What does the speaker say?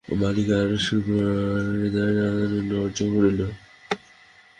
বালিকার সুকুমার হৃদয়ে দারুণ বজ্র পড়িল।